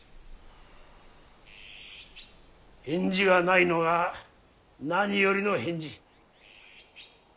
返事がないのが何よりの返事。